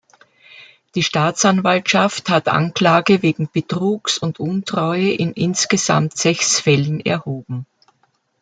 Die Staatsanwaltschaft hat Anklage wegen Betrugs und Untreue in insgesamt sechs Fällen erhoben.